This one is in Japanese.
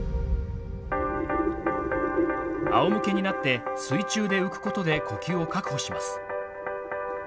あおむけになって水中で浮くことで呼吸を確保します。